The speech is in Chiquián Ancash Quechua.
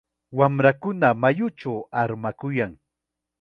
Wamrakuna mayuchaw armakuyan.